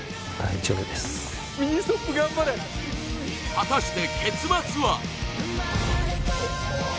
果たして結末は？